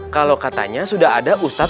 kalau katanya sudah ada ustadz